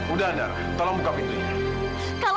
udah ada tolong buka pintunya